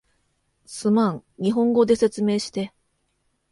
すまん、日本語で説明して